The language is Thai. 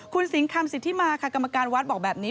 คุณสิงคำสิทธิมาค่ะกรรมการวัดบอกแบบนี้